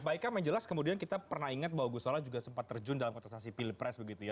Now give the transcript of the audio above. pak ika menjelaskan kemudian kita pernah ingat bahwa gus solah juga sempat terjun dalam konteksasi pilpres begitu ya